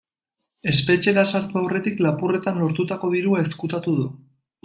Espetxera sartu aurretik lapurretan lortutako dirua ezkutatu du.